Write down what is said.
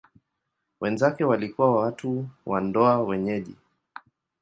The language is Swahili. Wenzake walikuwa watu wa ndoa wenyeji.